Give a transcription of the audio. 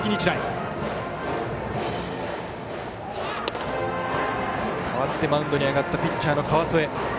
代わってマウンドに上がったピッチャーの川副。